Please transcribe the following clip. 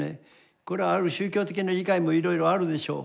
これはある宗教的な理解もいろいろあるでしょう。